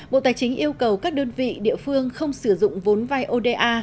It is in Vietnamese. bộ tài chính yêu cầu các đơn vị địa phương không sử dụng vốn vai oda